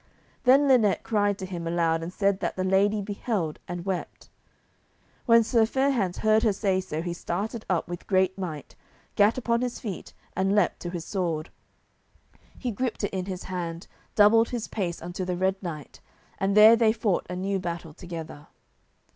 Then Linet cried to him aloud and said that the lady beheld and wept. When Sir Fair hands heard her say so he started up with great might, gat upon his feet, and leaped to his sword. He gripped it in his hand, doubled his pace unto the Red Knight, and there they fought a new battle together.